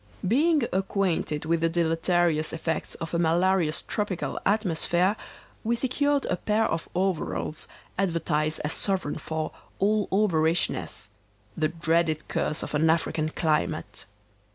ED. Being acquainted with the deleterious effects of a malarious tropical atmosphere, we secured a pair of overalls, advertised as sovran for 'all overishness,' the dreaded curse of an African climate.